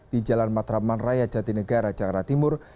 di jalan matraman raya jatinegara jakarta timur